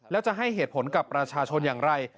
แล้วจะให้เหตุผลกับประชาชนอย่างไร